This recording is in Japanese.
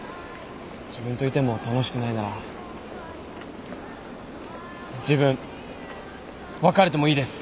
自分といても楽しくないなら自分別れてもいいです。